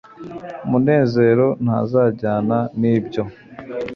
munezero ntazajyana nibyo